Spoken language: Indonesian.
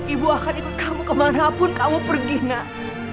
ibu akan ikut kamu kemana pun kamu pergi kak